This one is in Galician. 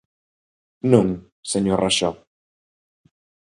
Non, señor Raxó.